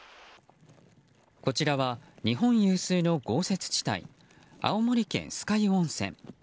こちらは日本有数の豪雪地帯青森県酸ヶ湯温泉。